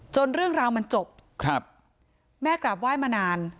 เรื่องราวมันจบครับแม่กราบไหว้มานาน